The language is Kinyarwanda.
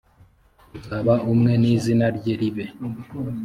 azaba umwe nizina rye ribe